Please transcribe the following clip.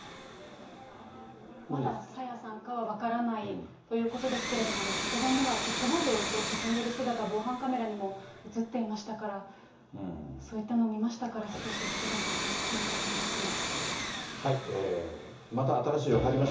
まだ朝芽さんかは分からないということですけれども、直前にはキックボードで進んでいる姿、防犯カメラにも写っていましたから、そういったのを見ましたから、少し複雑な気持ちになりますね。